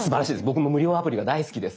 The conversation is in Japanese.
僕も無料アプリが大好きです。